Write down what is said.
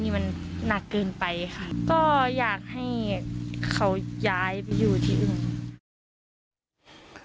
แต่นี้มันนักเกินไปค่ะอยากให้เค้าย้ายไปอยู่ที่อื่น